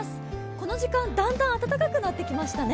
この時間、だんだん暖かくなってきましたね。